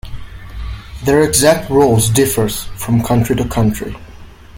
Their exact roles differs from country to country.